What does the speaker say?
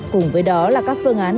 cùng với đó là các phương án